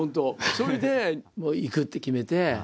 それで行くって決めて。